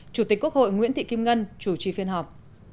chủ tịch quốc hội nguyễn thị kim ngân chủ trì phiên họp